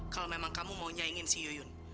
kalau memang kamu mau nyaingin si yuyun